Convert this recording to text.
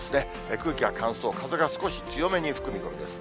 空気は乾燥、風が少し強めに吹く見込みです。